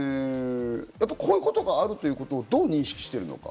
やっぱり、こういうことがあるということをどう認識しているのか？